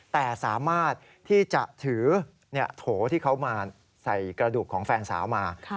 แต่สามารถที่จะถือโถที่เขามาใส่กระดูกของแฟนสาวมา